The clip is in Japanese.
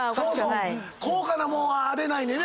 高価なもんは荒れないねんね。